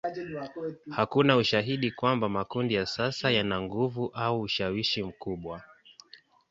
Hakuna ushahidi kwamba makundi ya sasa yana nguvu au ushawishi mkubwa.